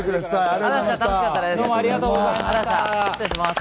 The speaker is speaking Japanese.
ありがとうございます。